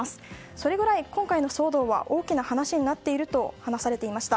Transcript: それぐらい今回の騒動は大きな話になっていると話されていました。